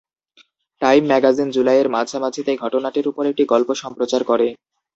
Time magazine জুলাইয়ের মাঝামাঝিতে ঘটনাটির উপর একটি গল্প সম্প্রচার করে।